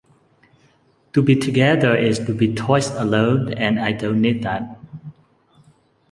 To be together is to be twice alone and I don't need that.